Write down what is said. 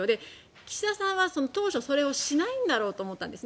岸田さんは当初それをしないんだろうと思ったんです。